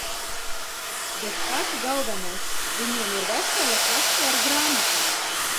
Bet pats galvenais, viņiem ir vesela kaste ar grāmatām.